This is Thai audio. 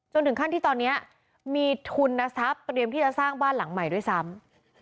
ถึงขั้นที่ตอนนี้มีทุนทรัพย์เตรียมที่จะสร้างบ้านหลังใหม่ด้วยซ้ำ